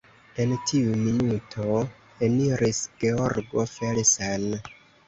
En tiu minuto eniris Georgo Felsen.